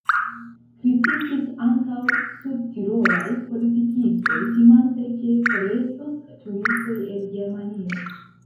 Kritikis ankaŭ sudtirolaj politikistoj, timante, ke forestos turistoj el Germanio.